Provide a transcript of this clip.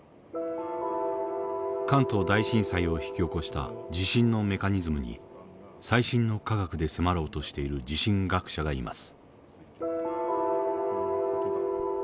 関東大震災を引き起こした地震のメカニズムに最新の科学で迫ろうとしている地震学者がいます。